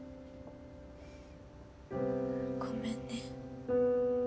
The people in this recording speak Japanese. ごめんね。